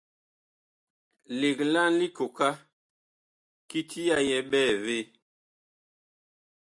Legla likooka kiti ya yɛ ɓɛɛvee.